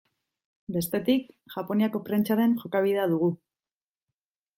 Bestetik, Japoniako prentsaren jokabidea dugu.